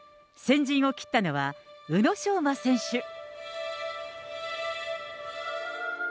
先陣を切ったのは宇野昌磨選手。